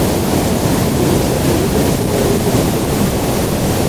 Wuliriza ebigambo by'ayogera obiwandiike.